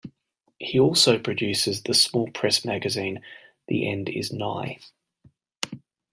He also produces the small press magazine "The End Is Nigh".